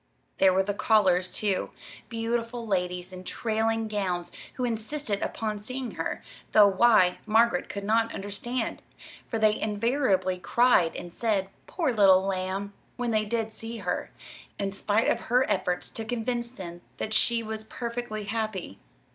There were the callers, too beautiful ladies in trailing gowns who insisted upon seeing her, though why, Margaret could not understand; for they invariably cried and said, "Poor little lamb!" when they did see her, in spite of her efforts to convince them that she was perfectly happy.